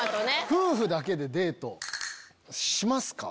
夫婦だけでデートしますか？